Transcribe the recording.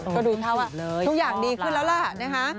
ก็ดูท่าว่าทุกอย่างดีขึ้นแล้วล่ะนะคะ